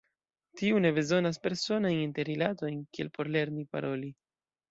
Tiu ne bezonas personajn interrilatojn, kiel por lerni paroli.